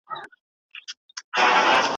حجره د پښتنو ده څوک به ځي څوک به راځي